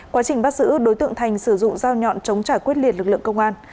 quá trình bắt giữ đối tượng thành sử dụng dao nhọn chống trả quyết liệt lực lượng công an